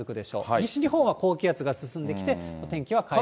西日本は高気圧が進んできて、お天気は回復傾向。